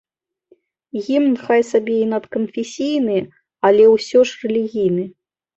Гімн хай сабе і надканфесійны, але ўсё ж рэлігійны.